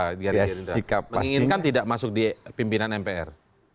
mengirim menginginkan tidak masuk di pimpinan mpr